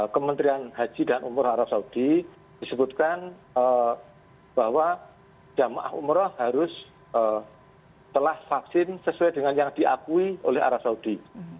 kementerian haji dan umroh arab saudi disebutkan bahwa jemaah umroh harus telah vaksin sesuai dengan yang diakui oleh arab saudi